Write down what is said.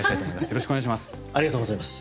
よろしくお願いします。